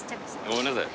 ごめんなさい。